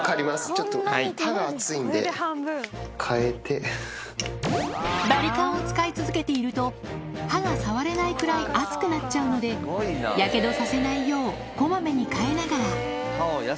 ちょっと、バリカンを使い続けていると、刃が触れないくらい熱くなっちゃうので、やけどさせないよう、こまめに替えながら。